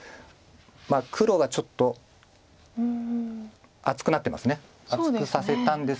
黒がちょっと厚くなってます。